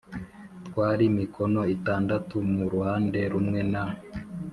twari mikono itandatu mu ruhande rumwe na